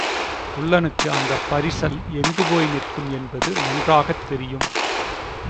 குள்ளனுக்கு அந்தப் பரிசல் எங்கு போய் நிற்கும் என்பது நன்றாகத் தெரியும்.